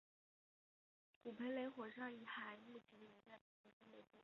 古培雷火山遗骸目前仍在火山北部。